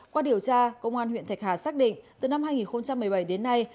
qua điều tra công an huyện thạch hà xác định từ năm hai nghìn một mươi bảy đến nay